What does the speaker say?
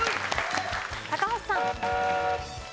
高橋さん。